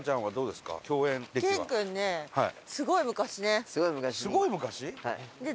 すごい昔？